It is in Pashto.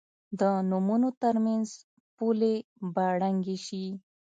د نومونو تر منځ پولې به ړنګې شي.